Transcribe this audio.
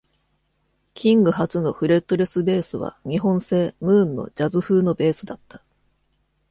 キング初のフレットレスベースは日本製「Moon」のジャズ風のベースだった。